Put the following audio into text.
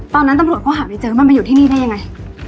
ตอนนั้นตำรวจเขาหาไม่เจอว่ามันมาอยู่ที่นี่ได้ยังไง